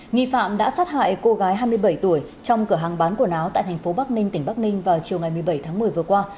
nghi phạm đã sát hại cô gái hai mươi bảy tuổi trong cửa hàng bán quần áo tại thành phố bắc ninh tỉnh bắc ninh vào chiều ngày một mươi bảy tháng một mươi vừa qua